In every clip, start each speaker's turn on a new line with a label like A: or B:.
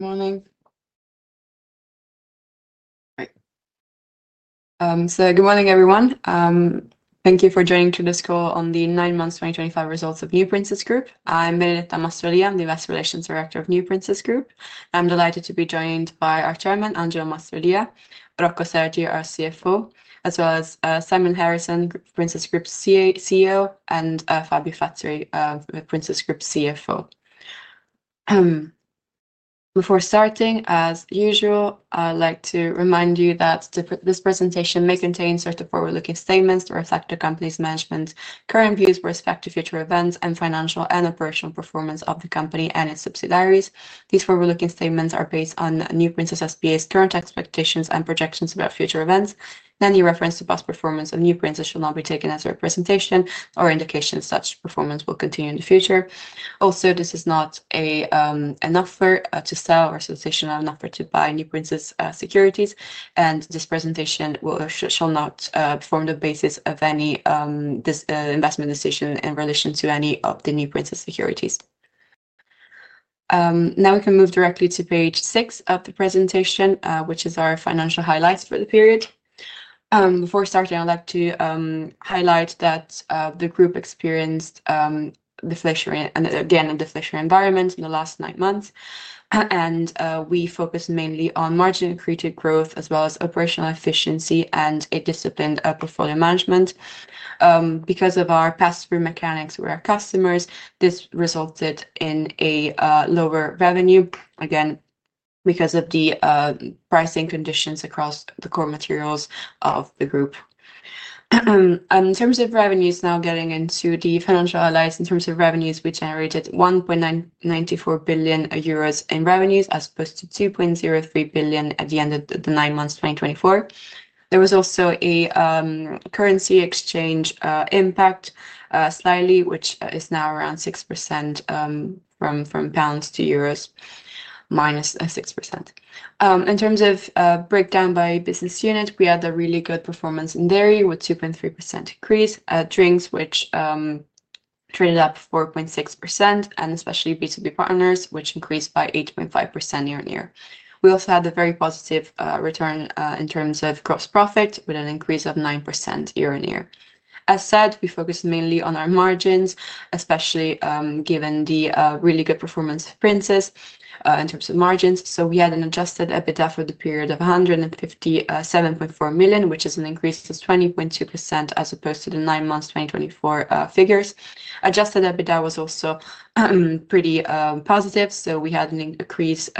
A: Good morning, everyone. Thank you for joining to this call on the nine-month 2025 results of NewPrinces Group. I'm Benedetta Mastrolia, the Investor Relations Director of NewPrinces Group. I'm delighted to be joined by our Chairman, Angelo Mastrolia, Rocco Sergio, our CFO, as well as Simon Harrison, Princes Group CEO, and Fabio Fazzari, Princes Group CFO. Before starting, as usual, I'd like to remind you that this presentation may contain certain forward-looking statements that reflect the company's management's current views with respect to future events and financial and operational performance of the company and its subsidiaries. These forward-looking statements are based on NewPrinces Group's current expectations and projections about future events. Any reference to past performance of NewPrinces should not be taken as a representation or indication such performance will continue in the future. Also, this is not an offer to sell or a solicitation of an offer to buy NewPrinces securities, and this presentation shall not form the basis of any investment decision in relation to any of the NewPrinces securities. Now we can move directly to page six of the presentation, which is our financial highlights for the period. Before starting, I'd like to highlight that the group experienced fluctuation, again, in the fluctuating environment in the last nine months, and we focused mainly on margin-created growth as well as operational efficiency and disciplined portfolio management. Because of our pass-through mechanics with our customers, this resulted in lower revenue, again, because of the pricing conditions across the core materials of the group. In terms of revenues, now getting into the financial allies, in terms of revenues, we generated 1.94 billion euros in revenues as opposed to 2.03 billion at the end of the nine months 2024. There was also a currency exchange impact slightly, which is now around 6% from pounds to euros, minus 6%. In terms of breakdown by business unit, we had a really good performance in dairy with a 2.3% increase, drinks which traded up 4.6%, and especially B2B partners, which increased by 8.5% year on year. We also had a very positive return in terms of gross profit with an increase of 9% year on year. As said, we focused mainly on our margins, especially given the really good performance of Princes in terms of margins. We had an adjusted EBITDA for the period of 157.4 million, which is an increase of 20.2% as opposed to the nine months 2024 figures. Adjusted EBITDA was also pretty positive, so we had an increase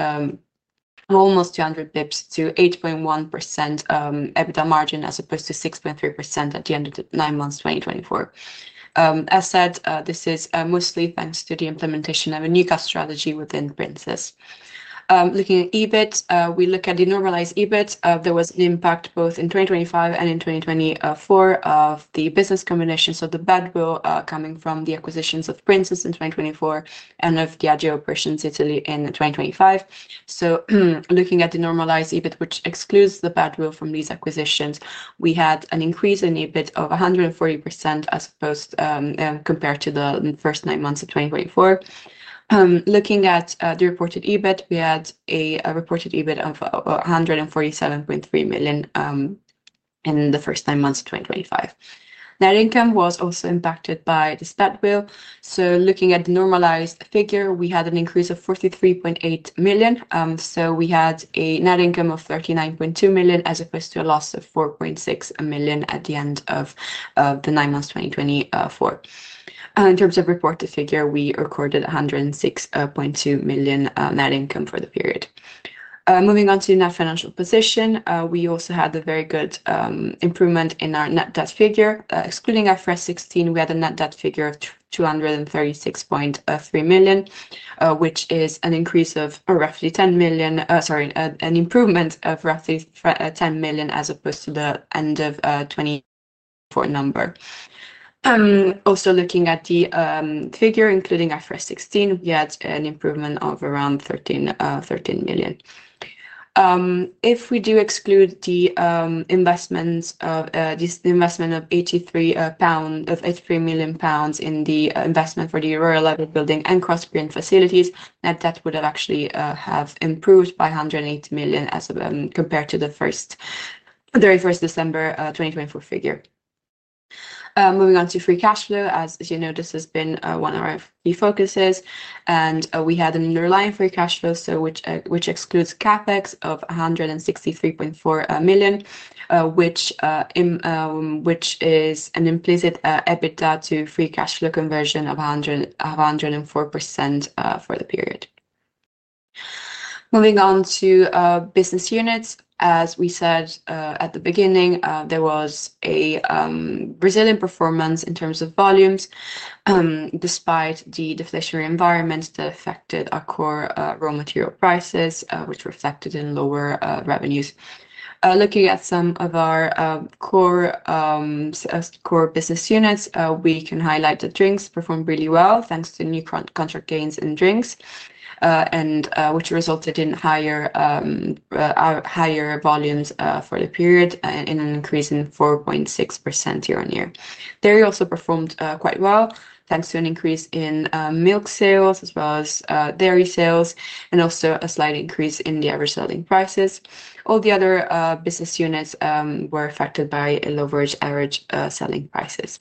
A: of almost 200 basis points to 8.1% EBITDA margin as opposed to 6.3% at the end of the nine months 2024. As said, this is mostly thanks to the implementation of a new cash strategy within Princes. Looking at EBIT, we look at the normalized EBIT. There was an impact both in 2025 and in 2024 of the business combination, so the badwill coming from the acquisitions of Princes in 2024 and of Diageo Operations Italy in 2025. Looking at the normalized EBIT, which excludes the badwill from these acquisitions, we had an increase in EBIT of 140% as opposed compared to the first nine months of 2024. Looking at the reported EBIT, we had a reported EBIT of 147.3 million in the first nine months of 2025. Net income was also impacted by this badwill. Looking at the normalized figure, we had an increase of 43.8 million. We had a net income of 39.2 million as opposed to a loss of 4.6 million at the end of the nine months 2024. In terms of reported figure, we recorded 106.2 million net income for the period. Moving on to net financial position, we also had a very good improvement in our net debt figure. Excluding IFRS 16, we had a net debt figure of 236.3 million, which is an improvement of roughly 10 million as opposed to the end of 2024 number. Also looking at the figure, including our fresh 16, we had an improvement of around 13 million. If we do exclude the investment of 83 million pound in the investment for the Aurora level building and cross-grade facilities, net debt would have actually improved by 108 million compared to the very first December 2024 figure. Moving on to free cash flow, as you know, this has been one of our key focuses, and we had an underlying free cash flow, which excludes CapEx of 163.4 million, which is an implicit EBITDA to free cash flow conversion of 104% for the period. Moving on to business units, as we said at the beginning, there was a Brazilian performance in terms of volumes, despite the deflationary environment that affected our core raw material prices, which reflected in lower revenues. Looking at some of our core business units, we can highlight that drinks performed really well thanks to new contract gains in drinks, which resulted in higher volumes for the period and an increase in 4.6% year on year. Dairy also performed quite well thanks to an increase in milk sales as well as dairy sales and also a slight increase in the average selling prices. All the other business units were affected by a lower average selling prices.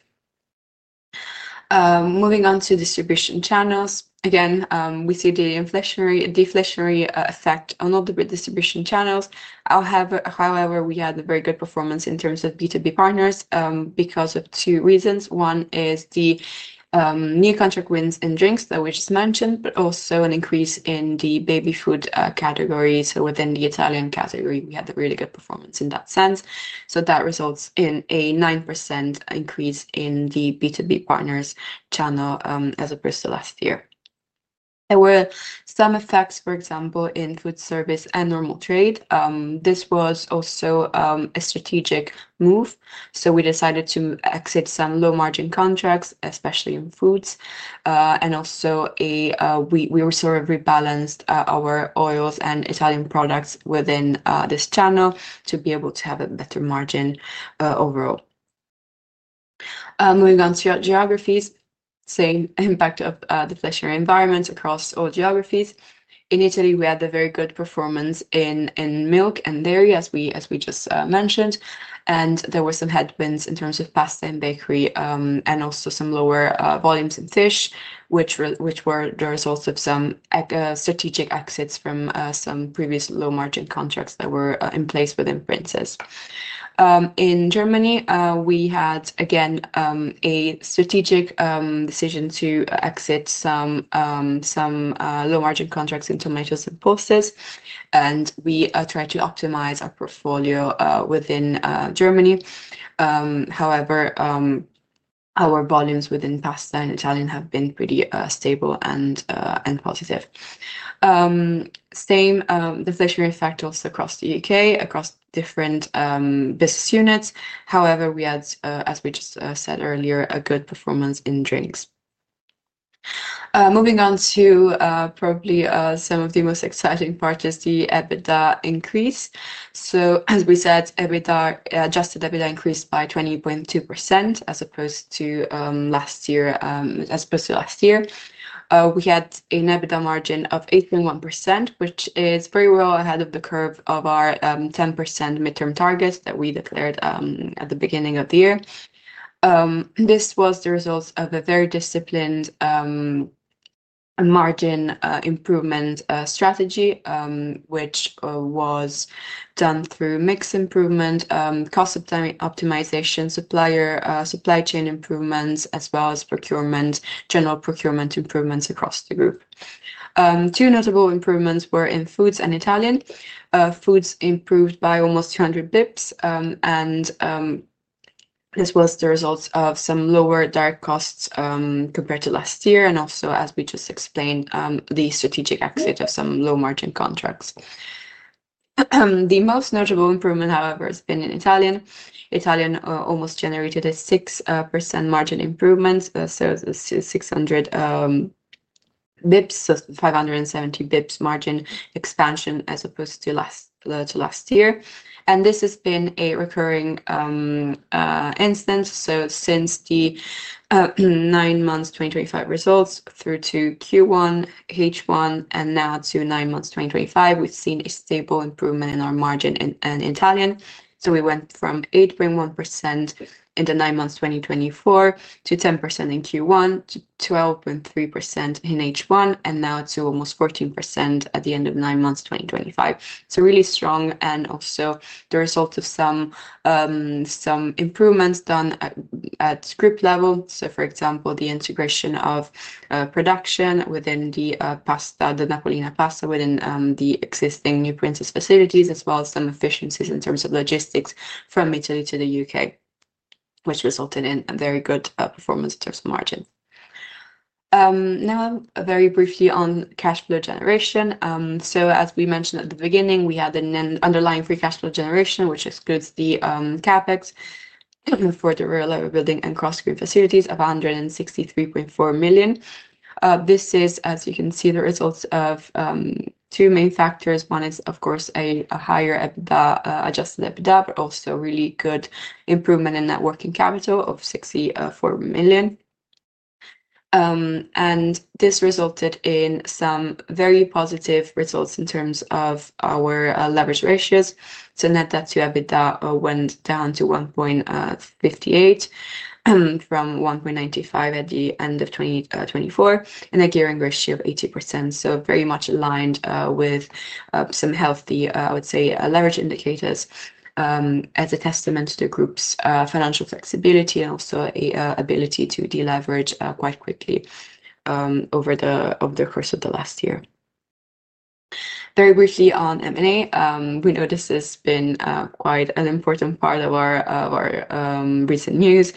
A: Moving on to distribution channels, again, we see the deflationary effect on all the distribution channels. However, we had a very good performance in terms of B2B partners because of two reasons. One is the new contract wins in drinks, which is mentioned, but also an increase in the baby food categories. Within the Italian category, we had a really good performance in that sense. That results in a 9% increase in the B2B partners channel as opposed to last year. There were some effects, for example, in food service and normal trade. This was also a strategic move. We decided to exit some low-margin contracts, especially in foods, and we also rebalanced our oils and Italian products within this channel to be able to have a better margin overall. Moving on to geographies, same impact of the flesh environment across all geographies. In Italy, we had a very good performance in milk and dairy, as we just mentioned, and there were some headwinds in terms of pasta and bakery and also some lower volumes in fish, which were the result of some strategic exits from some previous low-margin contracts that were in place within Princes. In Germany, we had, again, a strategic decision to exit some low-margin contracts in tomatoes and pulses, and we tried to optimize our portfolio within Germany. However, our volumes within pasta and Italian have been pretty stable and positive. Same deflationary effect also across the U.K., across different business units. However, we had, as we just said earlier, a good performance in drinks. Moving on to probably some of the most exciting part is the EBITDA increase. As we said, adjusted EBITDA increased by 20.2% as opposed to last year. We had an EBITDA margin of 8.1%, which is very well ahead of the curve of our 10% midterm targets that we declared at the beginning of the year. This was the result of a very disciplined margin improvement strategy, which was done through mix improvement, cost optimization, supply chain improvements, as well as general procurement improvements across the group. Two notable improvements were in foods and Italian. Foods improved by almost 200 basis points, and this was the result of some lower direct costs compared to last year, and also, as we just explained, the strategic exit of some low-margin contracts. The most notable improvement, however, has been in Italian. Italian almost generated a 6% margin improvement, so 600 basis points, so 570 basis points margin expansion as opposed to last year. This has been a recurring instance. Since the nine months 2025 results through to Q1, H1, and now to nine months 2025, we have seen a stable improvement in our margin in Italian. We went from 8.1% in the nine months 2024 to 10% in Q1, to 12.3% in H1, and now to almost 14% at the end of nine months 2025. Really strong and also the result of some improvements done at group level. For example, the integration of production within the Napolina pasta within the existing NewPrinces facilities, as well as some efficiencies in terms of logistics from Italy to the U.K., which resulted in a very good performance in terms of margins. Now, very briefly on cash flow generation. As we mentioned at the beginning, we had an underlying free cash flow generation, which excludes the CapEx for the rural building and cross-grade facilities of 163.4 million. This is, as you can see, the result of two main factors. One is, of course, a higher adjusted EBITDA, but also really good improvement in networking capital of 64 million. This resulted in some very positive results in terms of our leverage ratios. Net debt to EBITDA went down to 1.58 from 1.95 at the end of 2024, and a gearing ratio of 80%. Very much aligned with some healthy, I would say, leverage indicators as a testament to the group's financial flexibility and also an ability to deleverage quite quickly over the course of the last year. Very briefly on M&A, we know this has been quite an important part of our recent news.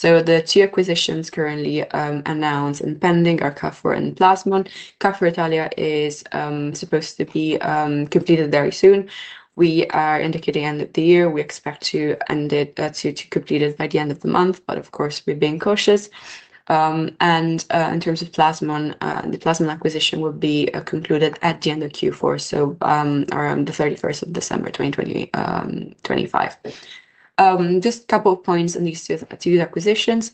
A: The two acquisitions currently announced and pending are Carrefour and Plasmon. Carrefour Italia is supposed to be completed very soon. We are indicating at the end of the year. We expect to complete it by the end of the month, but of course, we've been cautious. In terms of Plasmon, the Plasmon acquisition will be concluded at the end of Q4, so around the 31st of December 2025. Just a couple of points on these two acquisitions.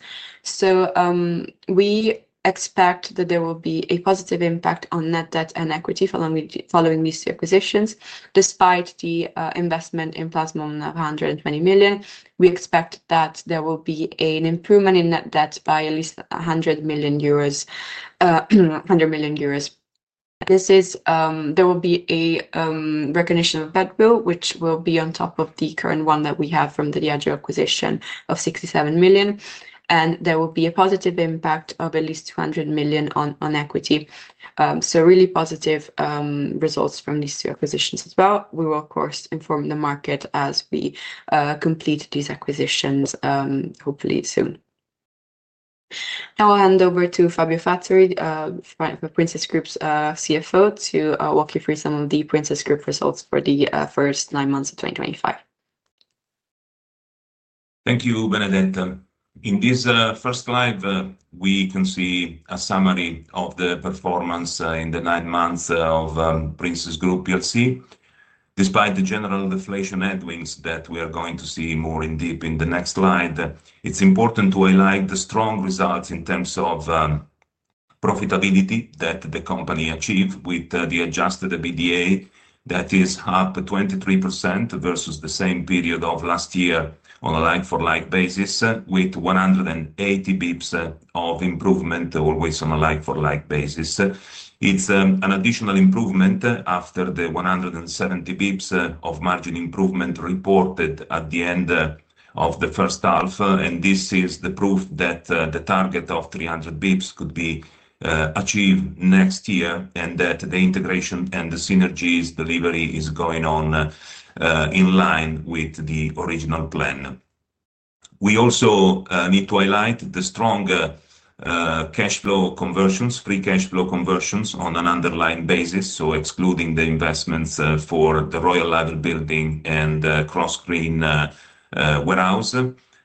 A: We expect that there will be a positive impact on net debt and equity following these two acquisitions. Despite the investment in Plasmon of 120 million, we expect that there will be an improvement in net debt by at least 100 million euros. This is because there will be a recognition of badwill, which will be on top of the current one that we have from the Diageo acquisition of 67 million. There will be a positive impact of at least 200 million on equity. Really positive results from these two acquisitions as well. We will, of course, inform the market as we complete these acquisitions hopefully soon. Now I'll hand over to Fabio Fazzari, Princes Group's CFO, to walk you through some of the Princes Group results for the first nine months of 2025.
B: Thank you, Benedetta. In this first slide, we can see a summary of the performance in the nine months of Princes Group. Despite the general deflation headwinds that we are going to see more in deep in the next slide, it's important to highlight the strong results in terms of profitability that the company achieved with the adjusted EBITDA that is up 23% versus the same period of last year on a like-for-like basis with 180 basis points of improvement, always on a like-for-like basis. It's an additional improvement after the 170 basis points of margin improvement reported at the end of the first half. This is the proof that the target of 300 basis points could be achieved next year and that the integration and the synergies delivery is going on in line with the original plan. We also need to highlight the strong cash flow conversions, free cash flow conversions on an underlying basis. Excluding the investments for the Royal Liver Building and cross-grade warehouse,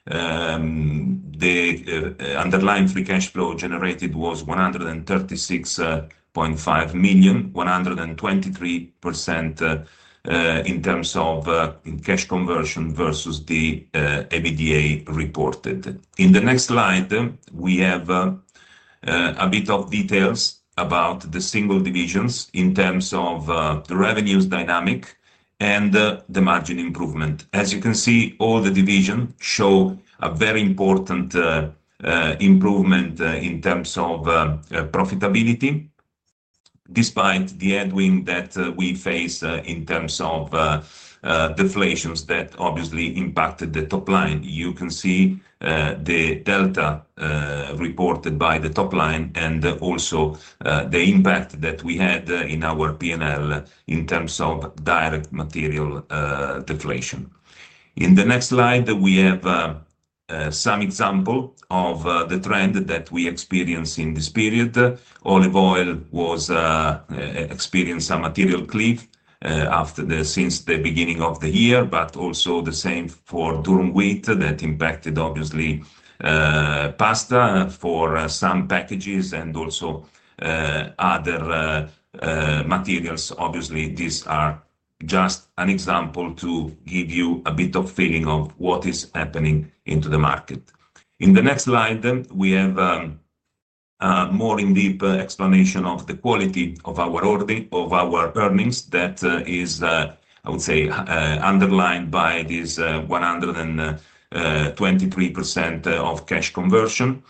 B: the underlying free cash flow generated was 136.5 million, 123% in terms of cash conversion versus the EBITDA reported. In the next slide, we have a bit of details about the single divisions in terms of the revenues dynamic and the margin improvement. As you can see, all the divisions show a very important improvement in terms of profitability. Despite the headwind that we face in terms of deflations that obviously impacted the top line, you can see the delta reported by the top line and also the impact that we had in our P&L in terms of direct material deflation. In the next slide, we have some example of the trend that we experience in this period. Olive oil experienced some material cliff since the beginning of the year, but also the same for durum wheat that impacted obviously pasta for some packages and also other materials. Obviously, these are just an example to give you a bit of feeling of what is happening in the market. In the next slide, we have a more in-depth explanation of the quality of our earnings that is, I would say, underlined by this 123% of cash conversion.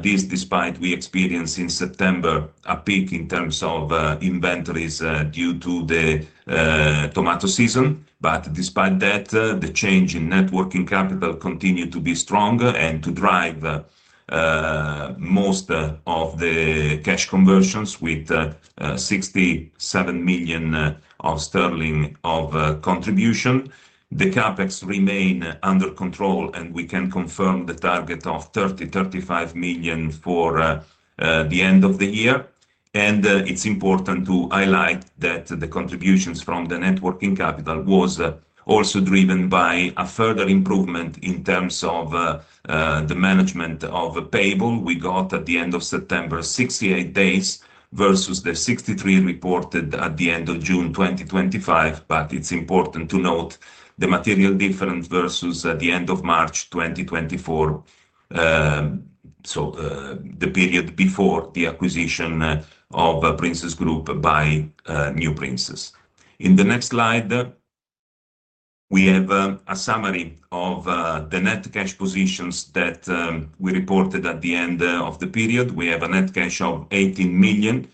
B: This, despite we experienced in September a peak in terms of inventories due to the tomato season. Despite that, the change in net working capital continued to be strong and to drive most of the cash conversions with 67 million sterling of contribution. The CapEx remain under control and we can confirm the target of 30 million-35 million for the end of the year. It is important to highlight that the contributions from the net working capital was also driven by a further improvement in terms of the management of payables. We got at the end of September 68 days versus the 63 reported at the end of June 2025. It is important to note the material difference versus the end of March 2024, so the period before the acquisition of Princes Group by NewPrinces. In the next slide, we have a summary of the net cash positions that we reported at the end of the period. We have a net cash of 18 million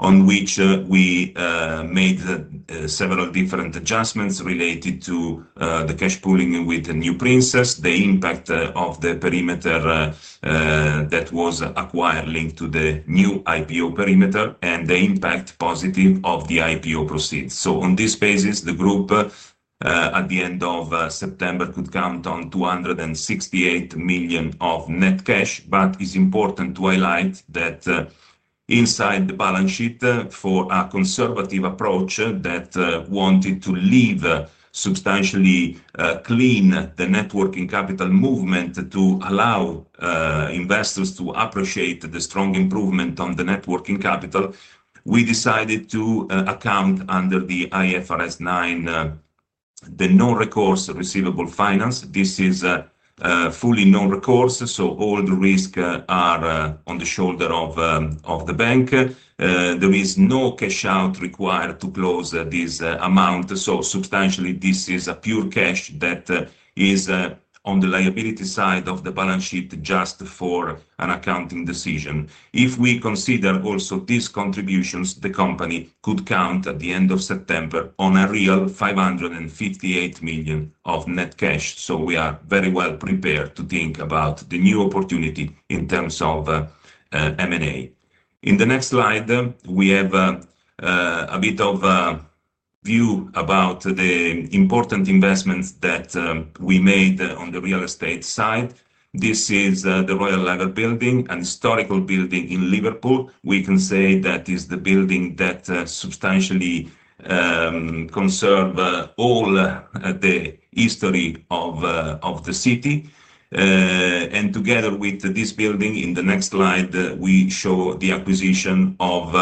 B: on which we made several different adjustments related to the cash pooling with NewPrinces, the impact of the perimeter that was acquired linked to the new IPO perimeter, and the impact positive of the IPO proceeds. On this basis, the group at the end of September could count on 268 million of net cash. It is important to highlight that inside the balance sheet, for a conservative approach that wanted to leave substantially clean the net working capital movement to allow investors to appreciate the strong improvement on the net working capital, we decided to account under IFRS 9, the non-recourse receivable finance. This is fully non-recourse, so all the risk are on the shoulder of the bank. There is no cash out required to close this amount. Substantially, this is a pure cash that is on the liability side of the balance sheet just for an accounting decision. If we consider also these contributions, the company could count at the end of September on a real 558 million of net cash. We are very well prepared to think about the new opportunity in terms of M&A. In the next slide, we have a bit of view about the important investments that we made on the real estate side. This is the Royal Liver Building, a historical building in Liverpool. We can say that is the building that substantially conserves all the history of the city. Together with this building, in the next slide, we show the acquisition of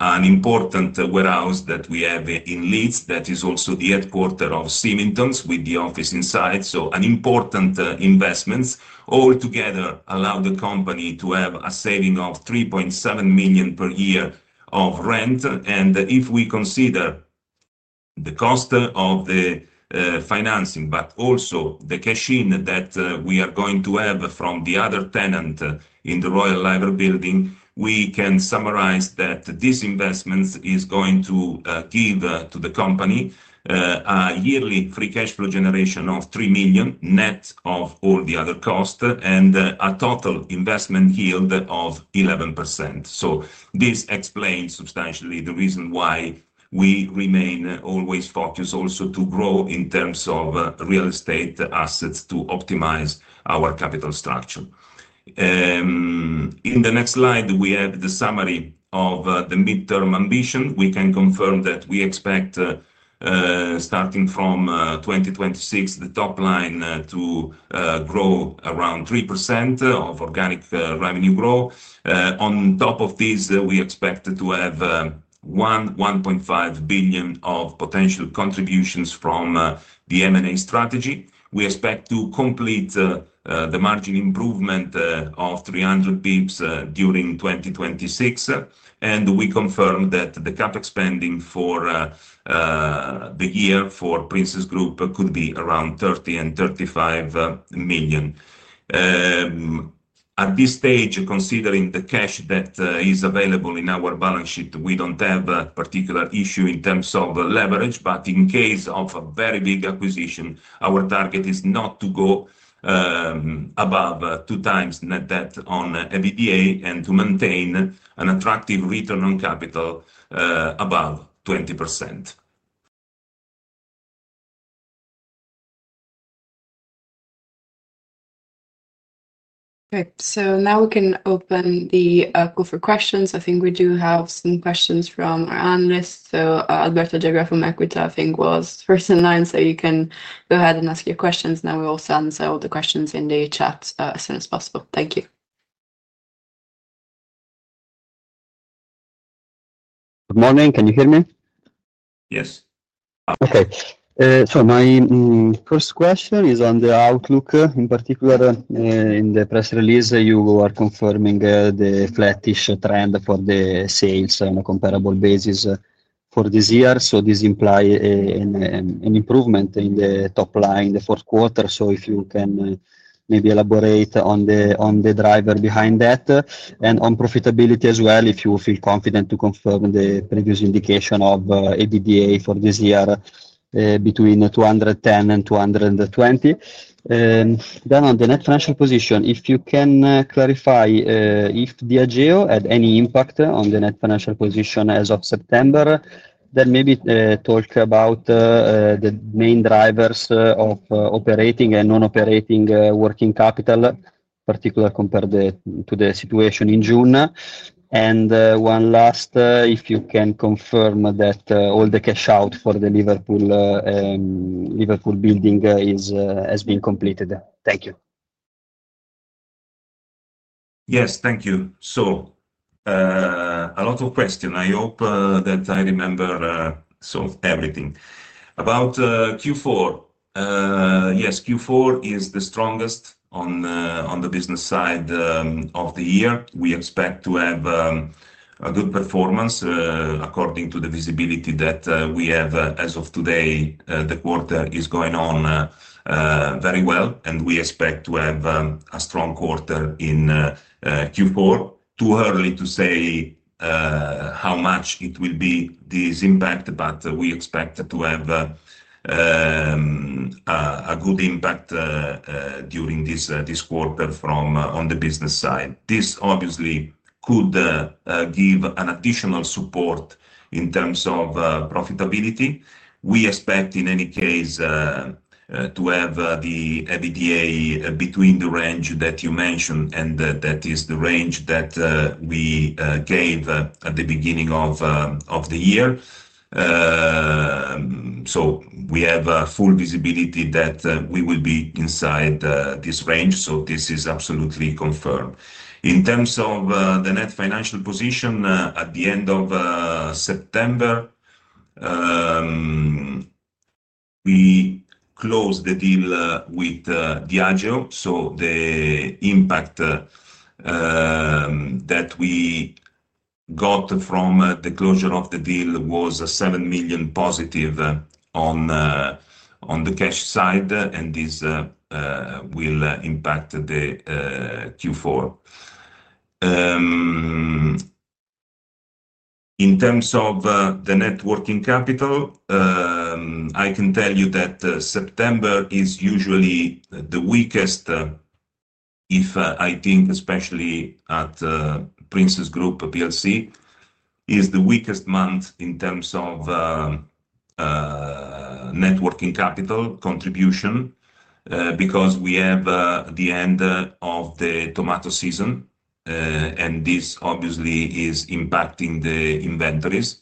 B: an important warehouse that we have in Leeds that is also the headquarter of Symington's with the office inside. An important investment all together allowed the company to have a saving of 3.7 million per year of rent. If we consider the cost of the financing, but also the cash in that we are going to have from the other tenant in the Royal Liver Building, we can summarize that this investment is going to give to the company a yearly free cash flow generation of 3 million net of all the other costs and a total investment yield of 11%. This explains substantially the reason why we remain always focused also to grow in terms of real estate assets to optimize our capital structure. In the next slide, we have the summary of the midterm ambition. We can confirm that we expect starting from 2026, the top line to grow around 3% of organic revenue growth. On top of this, we expect to have 1.5 billion of potential contributions from the M&A strategy. We expect to complete the margin improvement of 300 basis points during 2026. We confirm that the CapEx spending for the year for Princes Group could be around 30 million- 35 million. At this stage, considering the cash that is available in our balance sheet, we do not have a particular issue in terms of leverage. In case of a very big acquisition, our target is not to go above two times net debt on EBITDA and to maintain an attractive return on capital above 20%.
A: Okay, now we can open the call for questions. I think we do have some questions from our analysts. Alberto Gegra from EQUITA, I think, was first in line. You can go ahead and ask your questions. We will also answer all the questions in the chat as soon as possible. Thank you.
C: Good morning. Can you hear me? Yes. Okay. My first question is on the outlook. In particular, in the press release, you are confirming the flattish trend for the sales on a comparable basis for this year. This implies an improvement in the top line in the fourth quarter. If you can maybe elaborate on the driver behind that and on profitability as well, if you feel confident to confirm the previous indication of EBITDA for this year between 210 million and 220 million. On the net financial position, if you can clarify if Diageo had any impact on the net financial position as of September, then maybe talk about the main drivers of operating and non-operating working capital, particularly compared to the situation in June. One last, if you can confirm that all the cash out for the Liverpool building has been completed. Thank you.
B: Yes, thank you. A lot of questions. I hope that I remember sort of everything. About Q4, yes, Q4 is the strongest on the business side of the year. We expect to have a good performance according to the visibility that we have as of today. The quarter is going on very well, and we expect to have a strong quarter in Q4. Too early to say how much it will be this impact, but we expect to have a good impact during this quarter from on the business side. This obviously could give an additional support in terms of profitability. We expect in any case to have the EBITDA between the range that you mentioned and that is the range that we gave at the beginning of the year. We have full visibility that we will be inside this range. This is absolutely confirmed. In terms of the net financial position, at the end of September, we closed the deal with Diageo. The impact that we got from the closure of the deal was 7 million positive on the cash side, and this will impact the Q4. In terms of the net working capital, I can tell you that September is usually the weakest, if I think especially at Princes Group, is the weakest month in terms of net working capital contribution because we have the end of the tomato season. This obviously is impacting the inventories.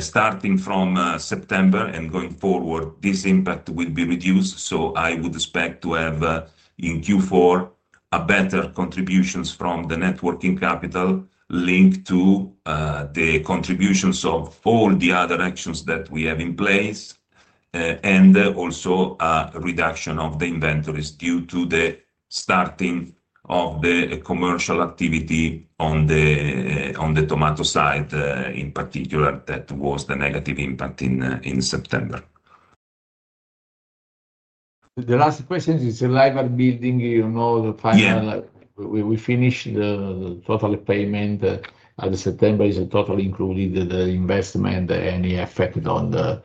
B: Starting from September and going forward, this impact will be reduced. I would expect to have in Q4 a better contribution from the net working capital linked to the contributions of all the other actions that we have in place and also a reduction of the inventories due to the starting of the commercial activity on the tomato side in particular that was the negative impact in September.
D: The last question is the level building. You know the final, we finished the total payment at September, is totally included in the investment and the effect on the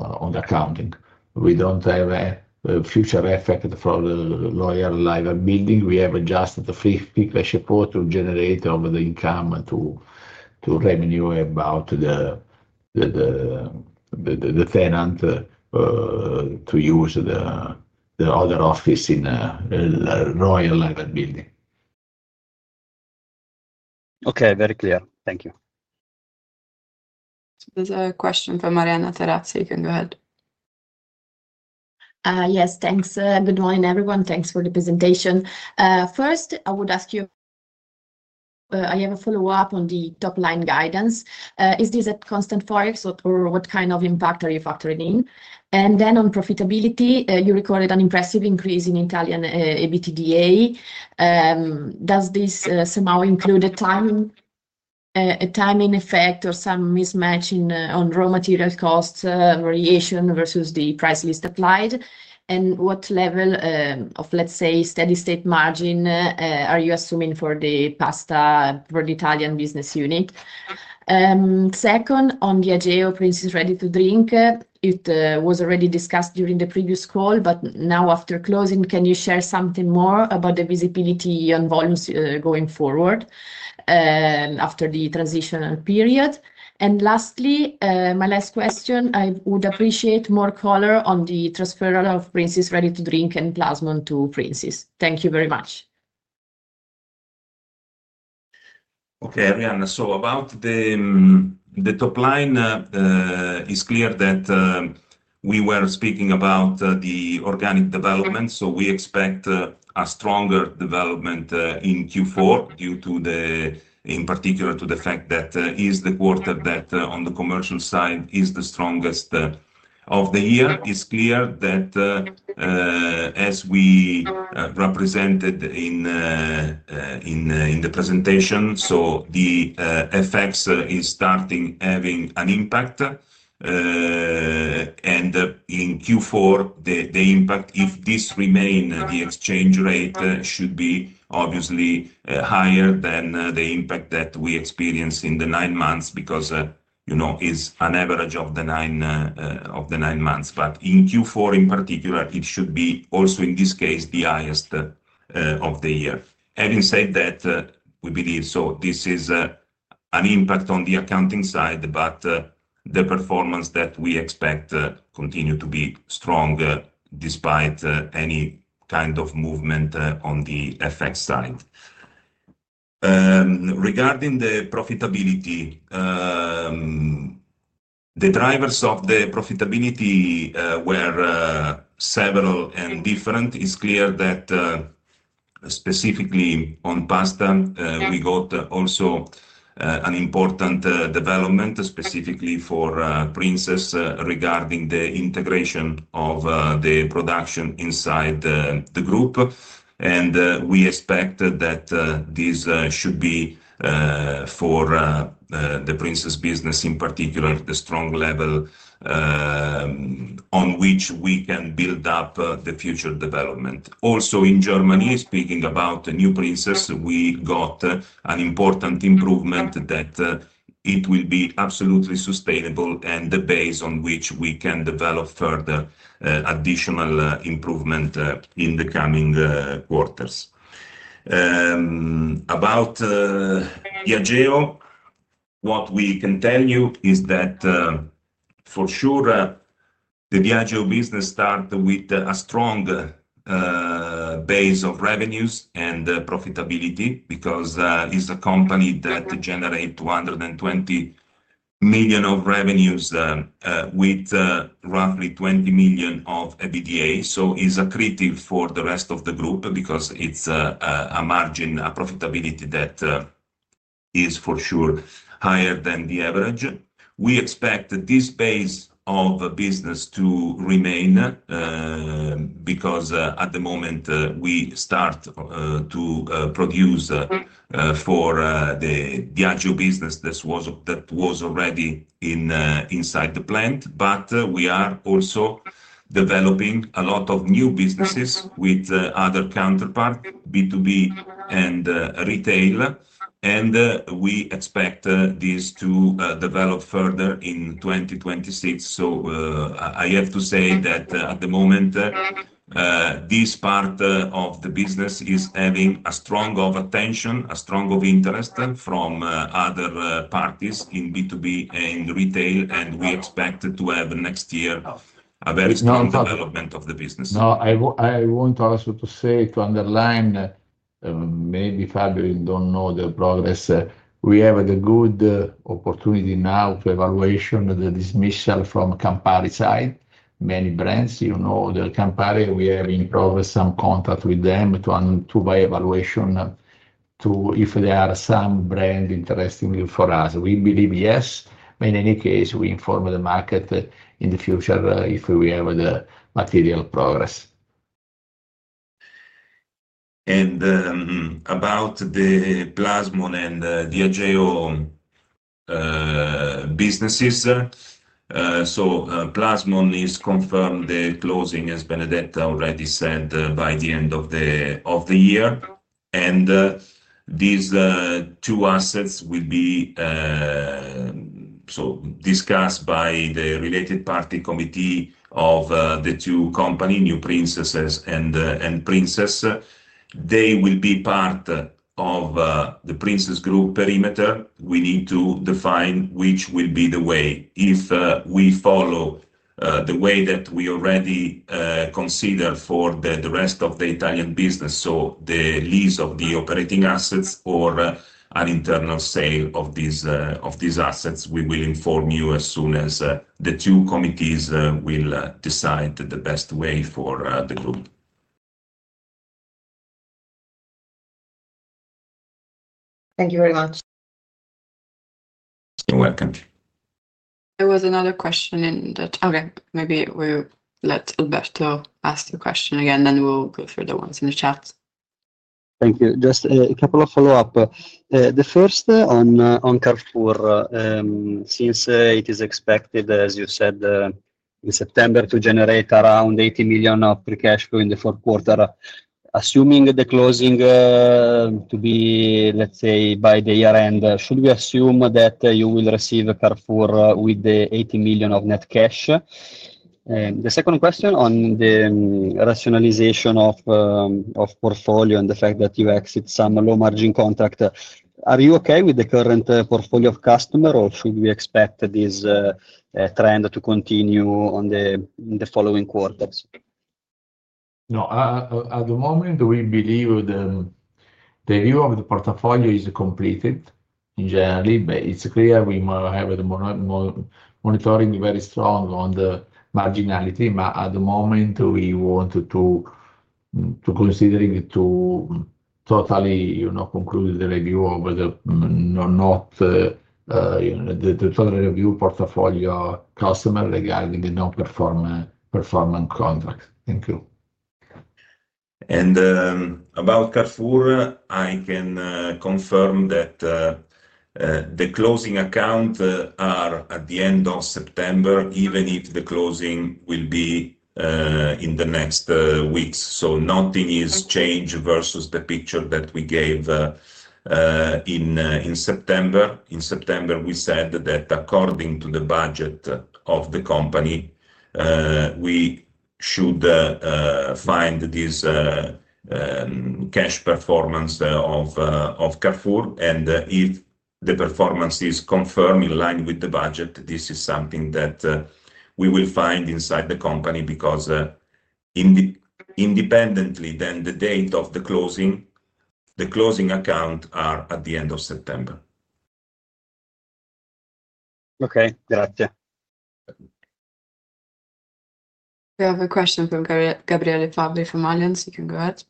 D: accounting. We don't have a future effect for the Royal Liver Building. We have adjusted the free cash report to generate over the income to revenue about the tenant to use the other office in the Royal Liver Building.
C: Okay, very clear. Thank you.
A: There's a question for Arianna Terazzi. You can go ahead.
E: Yes, thanks. Good morning, everyone. Thanks for the presentation. First, I would ask you, I have a follow-up on the top line guidance. Is this at constant forex or what kind of impact are you factoring in? And then on profitability, you recorded an impressive increase in Italian EBITDA. Does this somehow include a timing effect or some mismatch on raw material cost variation versus the price list applied? And what level of, let's say, steady state margin are you assuming for the pasta for the Italian business unit? Second, on Diageo Princes Ready to Drink, it was already discussed during the previous call, but now after closing, can you share something more about the visibility on volumes going forward after the transition period? Lastly, my last question, I would appreciate more color on the transfer of Princes Ready to Drink and Plasmon to Princes. Thank you very much.
B: Okay, Arianna, about the top line, it's clear that we were speaking about the organic development. We expect a stronger development in Q4, in particular, due to the fact that is the quarter that on the commercial side is the strongest of the year. It's clear that as we represented in the presentation, the effects are starting to have an impact. In Q4, the impact, if this remains, the exchange rate should be obviously higher than the impact that we experience in the nine months because it is an average of the nine months. In Q4, in particular, it should be also in this case the highest of the year. Having said that, we believe this is an impact on the accounting side, but the performance that we expect continues to be strong despite any kind of movement on the effect side. Regarding the profitability, the drivers of the profitability were several and different. It is clear that specifically on pasta, we got also an important development specifically for Princes regarding the integration of the production inside the group. We expect that this should be for the Princes business in particular, the strong level on which we can build up the future development. Also in Germany, speaking about the NewPrinces, we got an important improvement that it will be absolutely sustainable and the base on which we can develop further additional improvement in the coming quarters. About Diageo, what we can tell you is that for sure the Diageo business started with a strong base of revenues and profitability because it is a company that generates 220 million of revenues with roughly 20 million of EBITDA. It is a critic for the rest of the group because it is a margin, a profitability that is for sure higher than the average. We expect this base of business to remain because at the moment we start to produce for the Diageo business that was already inside the plant. We are also developing a lot of new businesses with other counterparts, B2B and retail. We expect this to develop further in 2026. I have to say that at the moment, this part of the business is having strong attention, strong interest from other parties in B2B and retail. We expect to have next year a very strong development of the business.
D: Now, I want to ask you to underline, maybe Fabio does not know the progress. We have a good opportunity now for evaluation of the dismissal from Campari side. Many brands, you know Campari, we have in progress some contact with them to buy evaluation to see if there are some brands interesting for us. We believe yes. In any case, we inform the market in the future if we have material progress.
B: About the Plasmon and Diageo businesses, Plasmon is confirmed for closing, as Benedetta already said, by the end of the year. These two assets will be discussed by the related party committee of the two companies, NewPrinces and Princes. They will be part of the Princes Group perimeter. We need to define which will be the way. If we follow the way that we already consider for the rest of the Italian business, so the lease of the operating assets or an internal sale of these assets, we will inform you as soon as the two committees will decide the best way for the group.
E: Thank you very much.
B: You're welcome.
A: There was another question in the chat. Okay, maybe we'll let Alberto ask the question again, then we'll go through the ones in the chat.
C: Thank you. Just a couple of follow-up. The first on Carrefour, since it is expected, as you said, in September to generate around 80 million of pre-cash flow in the fourth quarter, assuming the closing to be, let's say, by the year end, should we assume that you will receive Carrefour with the 80 million of net cash? The second question on the rationalization of portfolio and the fact that you exit some low-margin contract. Are you okay with the current portfolio of customers, or should we expect this trend to continue in the following quarters?
D: No, at the moment, we believe the view of the portfolio is completed in general, but it is clear we have the monitoring very strong on the marginality. At the moment, we want to consider to totally conclude the review of the total review portfolio customer regarding the non-performing contracts. Thank you.
B: About Carrefour, I can confirm that the closing accounts are at the end of September, even if the closing will be in the next weeks. Nothing is changed versus the picture that we gave in September. In September, we said that according to the budget of the company, we should find this cash performance of Carrefour. If the performance is confirmed in line with the budget, this is something that we will find inside the company because independently than the date of the closing, the closing accounts are at the end of September.
C: Okay, grazie.
A: We have a question from Gabriele Fabbri from Allianz. You can go ahead.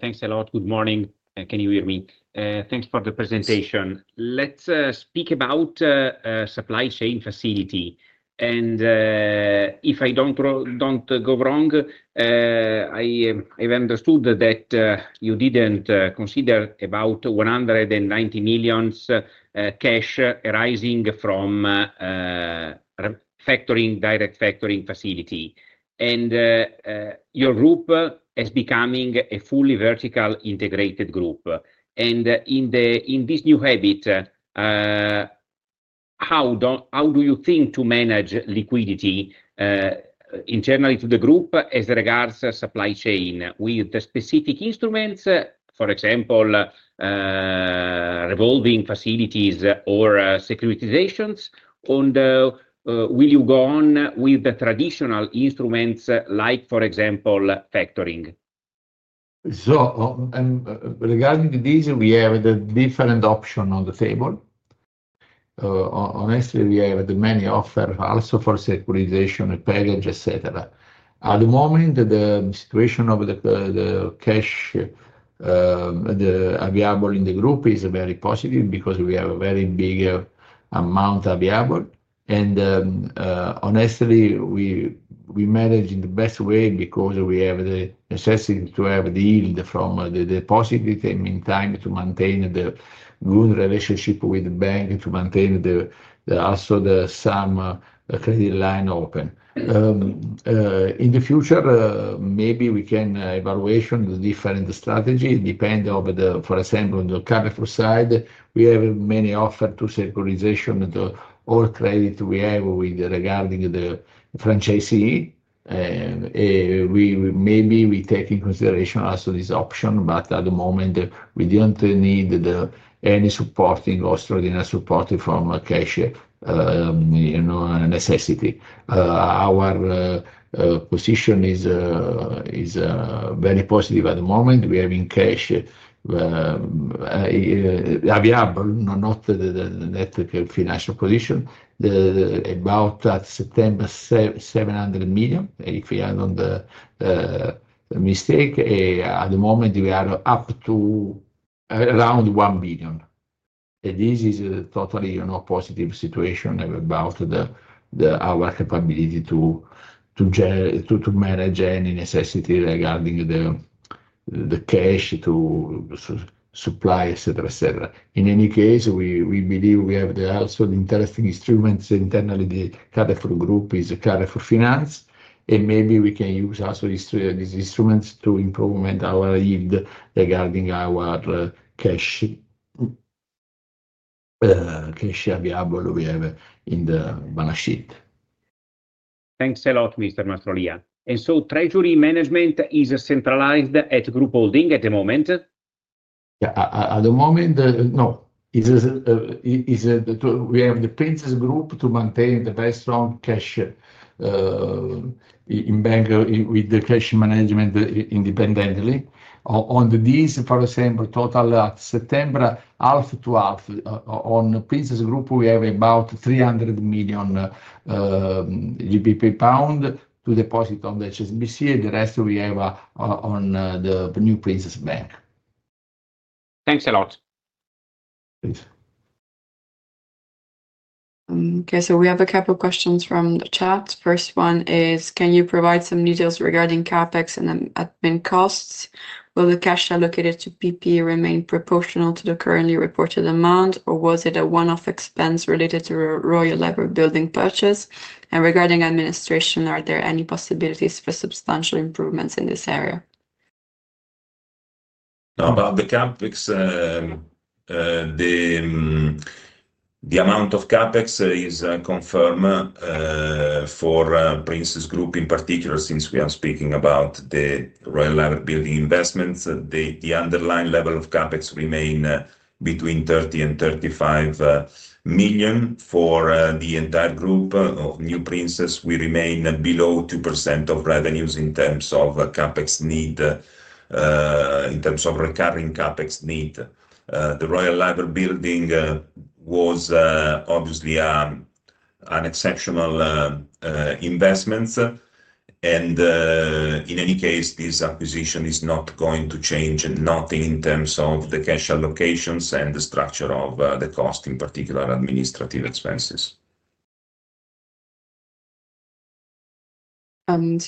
F: Thanks a lot. Good morning. Can you hear me? Thanks for the presentation. Let's speak about supply chain facility. If I don't go wrong, I have understood that you didn't consider about 190 million cash arising from direct factoring facility. Your group is becoming a fully vertical integrated group. In this new habit, how do you think to manage liquidity internally to the group as regards supply chain with the specific instruments, for example, revolving facilities or securitizations? Will you go on with the traditional instruments like, for example, factoring?
D: Regarding these, we have the different options on the table. Honestly, we have many offers also for securitization, package, etc. At the moment, the situation of the cash available in the group is very positive because we have a very big amount available. Honestly, we manage in the best way because we have the necessity to have the yield from the deposit in time to maintain the good relationship with the bank to maintain also the credit line open. In the future, maybe we can evaluate the different strategy depending on the, for example, on the Carrefour side, we have many offers to securitization or credit we have regarding the franchisee. Maybe we take into consideration also this option, but at the moment, we do not need any supporting or extraordinary support from cash necessity. Our position is very positive at the moment. We have in cash available, not the net financial position, about at September, 700 million, if I am not mistaken. At the moment, we are up to around 1 billion. This is a totally positive situation about our capability to manage any necessity regarding the cash to supply, etc., etc. In any case, we believe we have also the interesting instruments internally. The Carrefour Group is Carrefour Finance, and maybe we can use also these instruments to improve our yield regarding our cash available we have in the balance sheet.
F: Thanks a lot, Mr. Mastrolia. Treasury management is centralized at Group Holding at the moment?
D: At the moment, no. We have the Princes Group to maintain the very strong cash in bank with the cash management independently. On these, for example, total at September, half to half on Princes Group, we have about 300 million pound to deposit on the HSBC, and the rest we have on the NewPrinces Bank.
F: Thanks a lot.
A: Okay, we have a couple of questions from the chat. First one is, can you provide some details regarding CapEx and admin costs? Will the cash allocated to PP remain proportional to the currently reported amount, or was it a one-off expense related to Royal Liver Building purchase? And regarding administration, are there any possibilities for substantial improvements in this area?
B: No, about the CapEx, the amount of CapEx is confirmed for Princes Group in particular, since we are speaking about the Royal Liver Building investments. The underlying level of CapEx remains between 30 million and 35 million for the entire group. NewPrinces, we remain below 2% of revenues in terms of recurring CapEx need. The Royal Liver Building was obviously an exceptional investment. In any case, this acquisition is not going to change anything in terms of the cash allocations and the structure of the cost, in particular administrative expenses.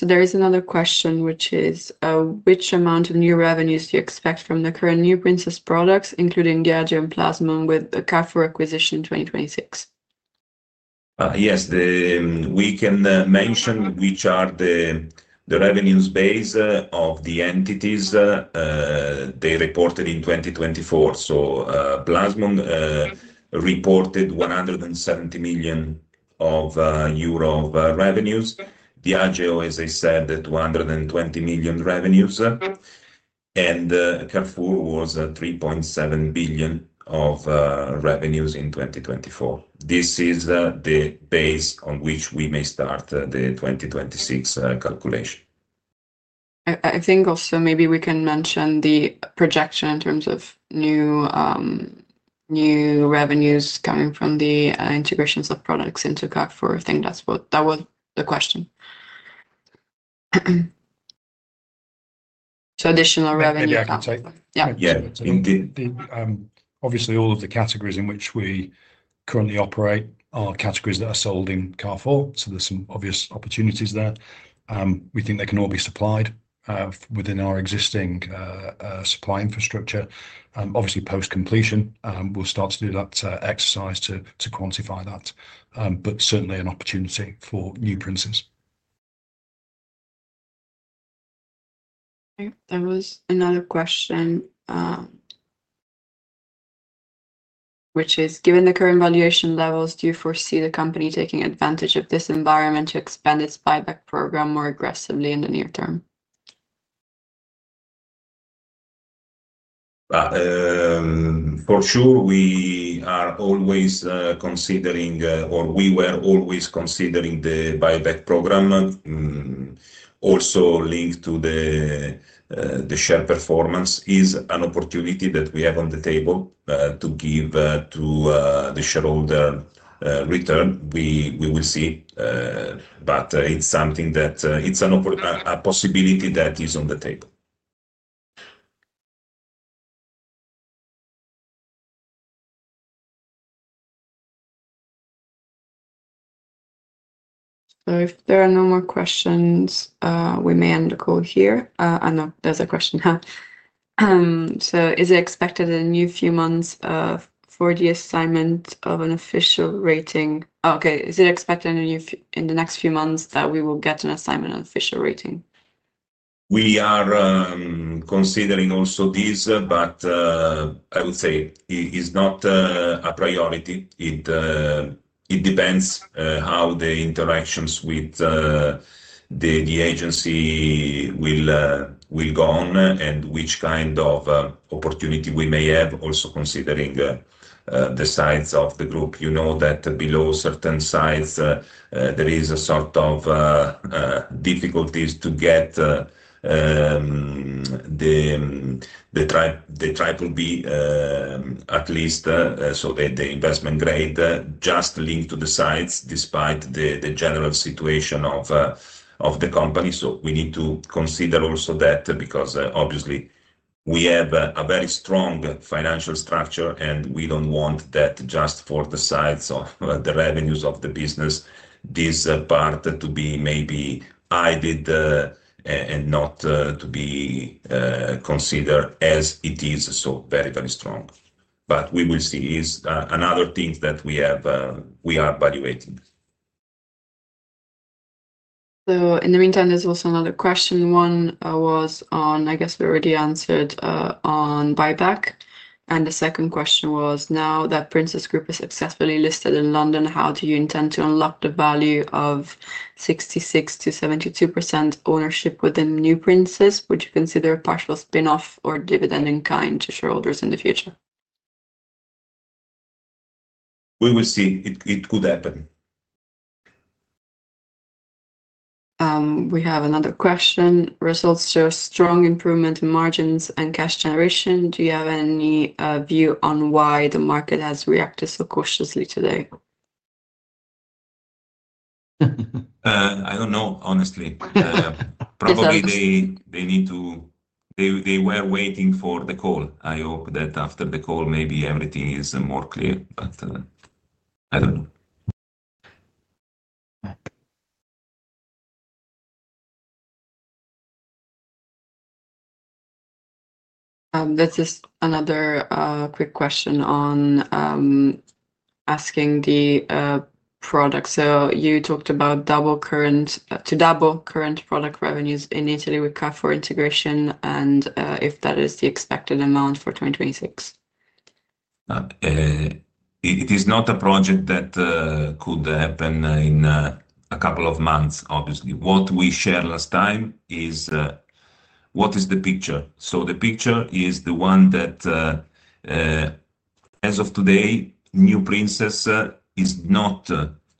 A: There is another question, which is, which amount of new revenues do you expect from the current NewPrinces products, including Diageo and Plasmon, with the Carrefour acquisition in 2026?
B: Yes, we can mention which are the revenues base of the entities they reported in 2024. Plasmon reported 170 million euro of revenues. Diageo, as I said, 220 million revenues. Carrefour was 3.7 billion of revenues in 2024. This is the base on which we may start the 2026 calculation.
A: I think also maybe we can mention the projection in terms of new revenues coming from the integrations of products into Carrefour. I think that was the question. Additional revenue coming in. Yeah, yeah. Obviously, all of the categories in which we currently operate are categories that are sold in Carrefour. There are some obvious opportunities there. We think they can all be supplied within our existing supply infrastructure. Obviously, post-completion, we'll start to do that exercise to quantify that. Certainly an opportunity for NewPrinces. Okay, there was another question, which is, given the current valuation levels, do you foresee the company taking advantage of this environment to expand its buyback program more aggressively in the near term?
B: For sure, we are always considering, or we were always considering the buyback program. Also linked to the share performance is an opportunity that we have on the table to give to the shareholder return. We will see. It is something that is a possibility that is on the table.
A: If there are no more questions, we may end the call here. I know there is a question here. Is it expected in a few months for the assignment of an official rating? Okay, is it expected in the next few months that we will get an assignment of official rating?
B: We are considering also this, but I would say it's not a priority. It depends how the interactions with the agency will go on and which kind of opportunity we may have, also considering the size of the group. You know that below certain size, there is a sort of difficulties to get the triple B, at least, so the investment grade just linked to the size despite the general situation of the company. We need to consider also that because obviously, we have a very strong financial structure, and we don't want that just for the size of the revenues of the business, this part to be maybe hidden and not to be considered as it is so very, very strong. We will see. It's another thing that we are evaluating. In the meantime, there's also another question. One was on, I guess we already answered, on buyback. The second question was, now that Princes Group is successfully listed in London, how do you intend to unlock the value of 66%-72% ownership within NewPrinces? Would you consider a partial spinoff or dividend in kind to shareholders in the future? We will see. It could happen.
A: We have another question. Results show strong improvement in margins and cash generation. Do you have any view on why the market has reacted so cautiously today?
B: I don't know, honestly. Probably they need to, they were waiting for the call. I hope that after the call, maybe everything is more clear, but I don't know.
A: This is another quick question on asking the product. You talked about double current to double current product revenues in Italy with Carrefour integration and if that is the expected amount for 2026.
B: It is not a project that could happen in a couple of months, obviously. What we shared last time is what is the picture. The picture is the one that as of today, NewPrinces is not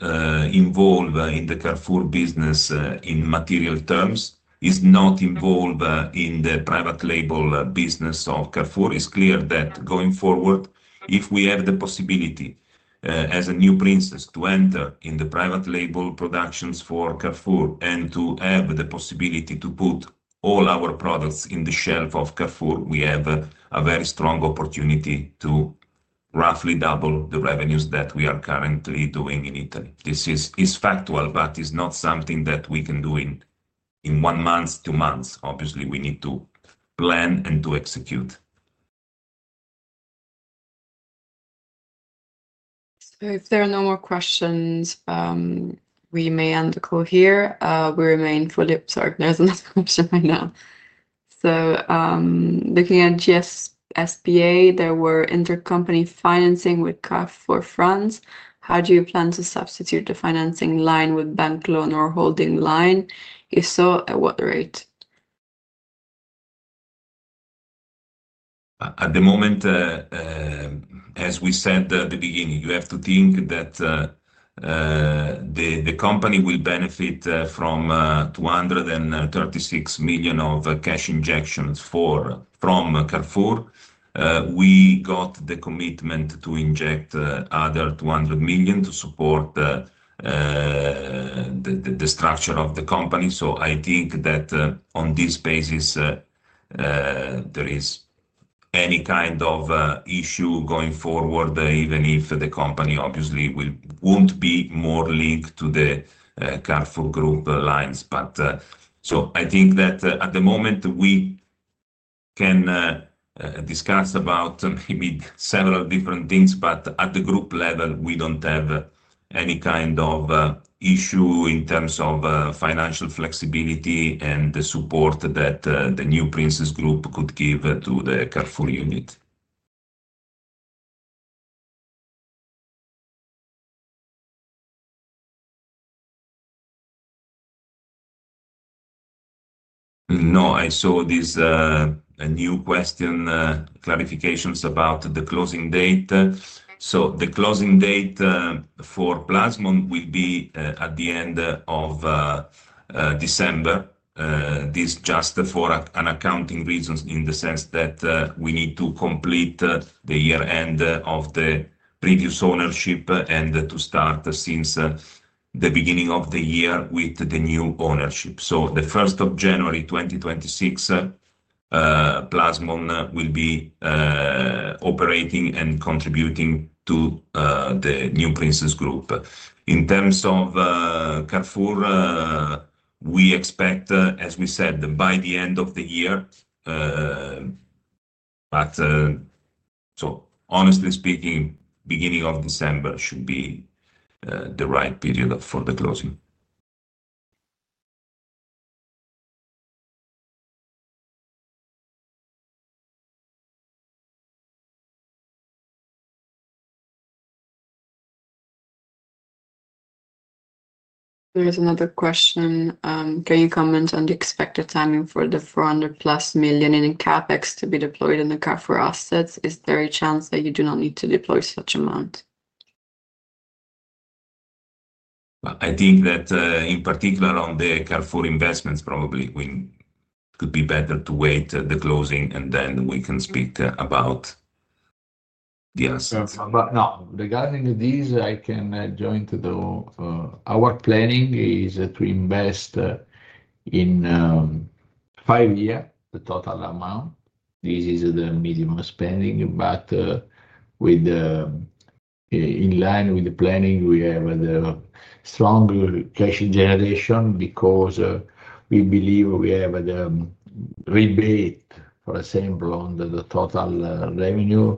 B: involved in the Carrefour business in material terms, is not involved in the private label business of Carrefour. It is clear that going forward, if we have the possibility as NewPrinces to enter in the private label productions for Carrefour and to have the possibility to put all our products in the shelf of Carrefour, we have a very strong opportunity to roughly double the revenues that we are currently doing in Italy. This is factual, but it's not something that we can do in one month, two months. Obviously, we need to plan and to execute.
A: If there are no more questions, we may end the call here. We remain fully absurd. There's another question right now. Looking at GSSBA, there were intercompany financing with Carrefour France. How do you plan to substitute the financing line with bank loan or holding line? If so, at what rate?
B: At the moment, as we said at the beginning, you have to think that the company will benefit from 236 million of cash injections from Carrefour. We got the commitment to inject other 200 million to support the structure of the company. I think that on this basis, there is any kind of issue going forward, even if the company obviously won't be more linked to the Carrefour Group lines. I think that at the moment, we can discuss about maybe several different things, but at the group level, we do not have any kind of issue in terms of financial flexibility and the support that the NewPrinces Group could give to the Carrefour unit. I saw this new question, clarifications about the closing date. The closing date for Plasmon will be at the end of December. This is just for accounting reasons in the sense that we need to complete the year-end of the previous ownership and to start since the beginning of the year with the new ownership. The 1st of January 2026, Plasmon will be operating and contributing to the NewPrinces Group. In terms of Carrefour, we expect, as we said, by the end of the year. Honestly speaking, beginning of December should be the right period for the closing.
A: There is another question. Can you comment on the expected timing for the 400 million in CapEx to be deployed in the Carrefour assets? Is there a chance that you do not need to deploy such amount?
B: I think that in particular on the Carrefour investments, probably it could be better to wait for the closing, and then we can speak about the assets.
D: No, regarding these, I can join to the our planning is to invest in five years, the total amount. This is the medium spending, but in line with the planning, we have the strong cash generation because we believe we have the rebate, for example, on the total revenue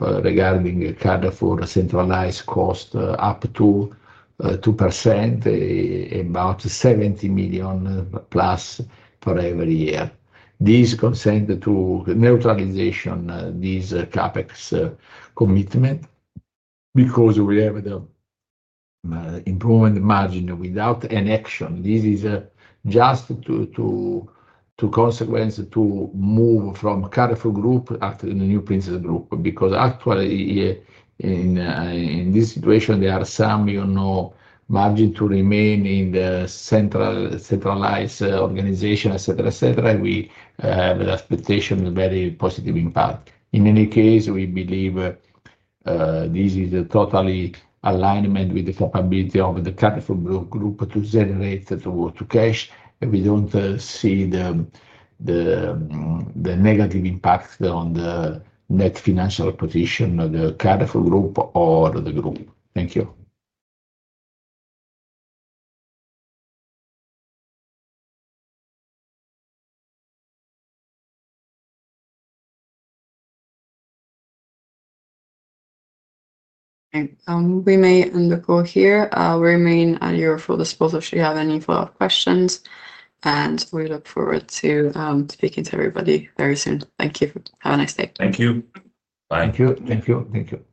D: regarding Carrefour centralized cost up to 2%, about 70 million plus for every year. This consent to neutralization of this CapEx commitment because we have the improvement margin without an action. This is just a consequence to move from Carrefour Group to the NewPrinces Group because actually in this situation, there are some margin to remain in the centralized organization, etc., etc. We have the expectation of very positive impact. In any case, we believe this is a total alignment with the capability of the Carrefour Group to generate cash. We do not see the negative impact on the net financial position of the Carrefour Group or the group. Thank you.
A: We may end the call here. We remain at your full disposal should you have any follow-up questions. We look forward to speaking to everybody very soon. Thank you. Have a nice day.
B: Thank you.
D: Thank you. Thank you.
B: Thank you.